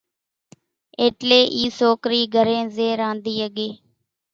ايٽلي اِي سوڪري گھرين زئين رانڌي ۿڳي